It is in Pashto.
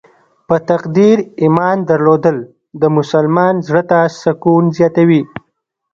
په تقدیر ایمان درلودل د مسلمان زړه ته سکون زیاتوي.